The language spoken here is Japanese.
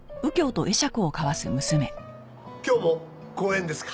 今日も公園ですか？